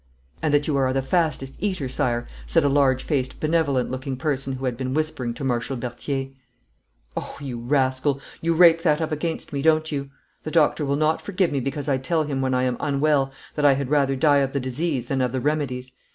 'And that you are the fastest eater, Sire,' said a large faced, benevolent looking person who had been whispering to Marshal Berthier. 'Ohe, you rascal, you rake that up against me, do you? The Doctor will not forgive me because I tell him when I am unwell that I had rather die of the disease than of the remedies.